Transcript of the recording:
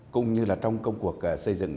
cũng như là trong công cuộc xây dựng